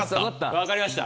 分かりました。